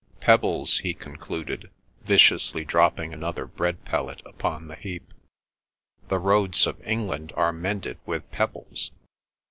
"Pebbles!" he concluded, viciously dropping another bread pellet upon the heap. "The roads of England are mended with pebbles!